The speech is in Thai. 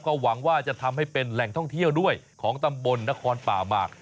ก็หวังว่าจะทำให้เป็นแหล่งท่องเที่ยวด้วยของตำบลนครป่าหมาก